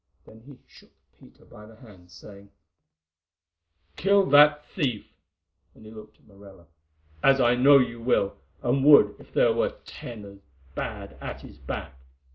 Then he shook Peter by the hand, saying: "Kill that thief," and he looked at Morella, "as I know you will, and would if there were ten as bad at his back.